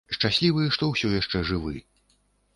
Шчаслівы, што ўсё яшчэ жывы.